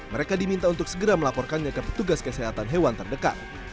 mereka diminta untuk segera melaporkannya ke petugas kesehatan hewan terdekat